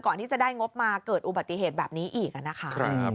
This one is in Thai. ก่อนที่จะได้งบมาเกิดอุบัติเหตุแบบนี้อีกนะคะ